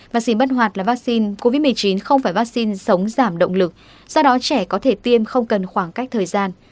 và gì bất hoạt là vaccine covid một mươi chín không phải vaccine sống giảm động lực do đó trẻ có thể tiêm không cần khoảng cách thời gian